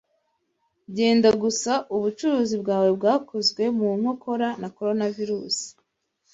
Genda gusa ubucuruzi bwawe bwakozwe munkokora na Coronavirusi